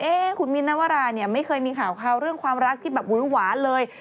เอ๊ะคุณมิ้นท์นัทวราไม่เคยมีข่าวข่าวเรื่องความรักที่แบบวุ้นหวานเลย